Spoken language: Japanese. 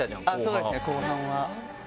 そうですね後半は。